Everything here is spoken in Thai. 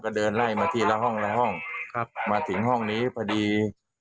ก็เดินไล่มาที่ละห้องมาถึงห้องนี้พอดี